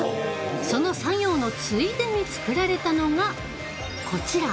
その作業のついでに造られたのがこちら。